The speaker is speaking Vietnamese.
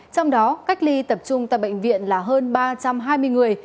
trong đó cách ly tập trung tại bệnh viện là hơn ba trăm hai mươi người